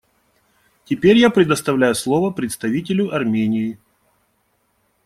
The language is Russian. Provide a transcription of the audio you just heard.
Теперь я предоставляю слово представителю Армении.